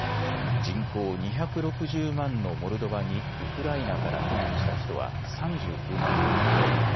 人口２６０万のモルドバにウクライナから避難した人は３９万人を超え